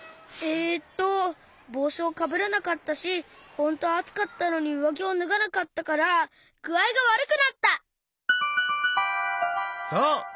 えっとぼうしをかぶらなかったしほんとはあつかったのにうわぎをぬがなかったからそう！